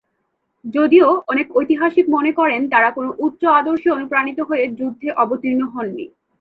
যদিও অনেক ঐতিহাসিক মনে করেন তারা কোনো উচ্চ আদর্শে অনুপ্রাণিত হয়ে যুদ্ধে অবতীর্ণ হননি।